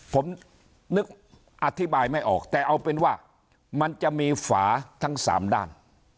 ผมนึกอธิบายไม่ออกแต่เอาเป็นว่ามันจะมีฝาทั้งสามด้าน